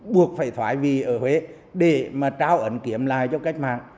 buộc phải thoái vì ở huế để mà trao ẩn kiếm lại cho cách mạng